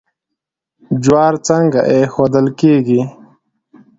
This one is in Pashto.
جوار څنګه ایښودل کیږي؟